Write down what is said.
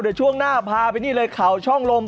เดี๋ยวช่วงหน้าพาไปนี่เลยเขาช่องลม